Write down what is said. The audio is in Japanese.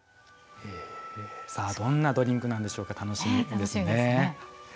どんなドリンクなんでしょうか楽しみですよね。